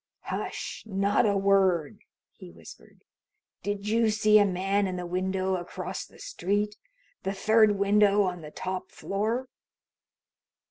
"Hush! Not a word!" he whispered. "Did you see a man in the window across the street? The third window on the top floor?"